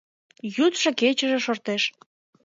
Йӱдшӧ-кечыже шортеш.